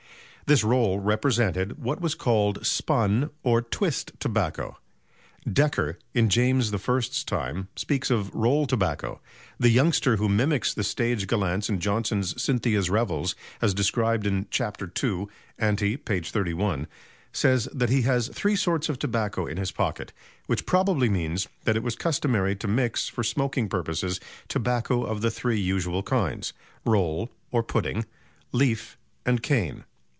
This roll represented what was called spun or twist tobacco. Dekker, in James I's time, speaks of roll tobacco. The youngster who mimics the stage gallants in Jonson's "Cynthia's Revels" as described in Chapter II (ante; page 31), says that he has "three sorts of tobacco in his pocket," which probably means that it was customary to mix for smoking purposes tobacco of the three usual kinds roll (or pudding), leaf and cane.